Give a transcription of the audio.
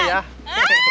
yaudah ni ambil